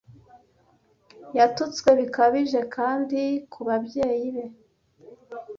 yatutswe bikabije kandi kubabyeyi be